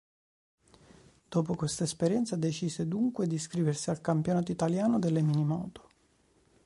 Dopo questa esperienza decise dunque di iscriversi al campionato italiano delle minimoto.